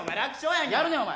やるねお前